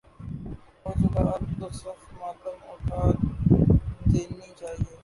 ہو چکا اب تو صف ماتم اٹھاد ینی چاہیے۔